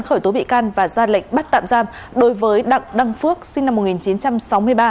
khởi tố bị can và ra lệnh bắt tạm giam đối với đặng đăng phước sinh năm một nghìn chín trăm sáu mươi ba